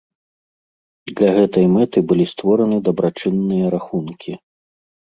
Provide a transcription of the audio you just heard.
Для гэтай мэты былі створаны дабрачынныя рахункі.